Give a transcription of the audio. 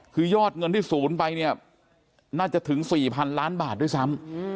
คือยอดเงินที่ศูนย์ไปเนี่ยน่าจะถึง๔๐๐๐ล้านบาทด้วยซ้ำ